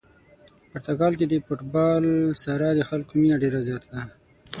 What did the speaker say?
پرتګال کې د فوتبال سره د خلکو مینه ډېره زیاته ده.